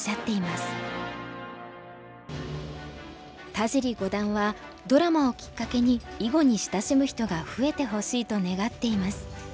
田尻五段はドラマをきっかけに囲碁に親しむ人が増えてほしいと願っています。